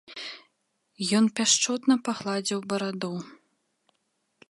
Ён пяшчотна пагладзіў бараду.